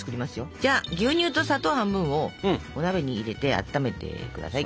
じゃあ牛乳と砂糖半分をお鍋に入れてあっためて下さい。